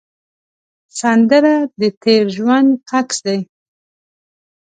سندره د تېر ژوند عکس دی